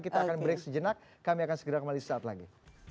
kita akan break sejenak kami akan segera kembali sesaat lagi